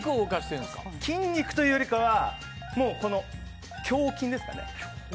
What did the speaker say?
筋肉というより胸筋ですかね。